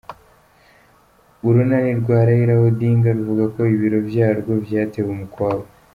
Urunani rwa Raila Odinga ruvuga ko ibiro vyarwo vyatewe umukwabu.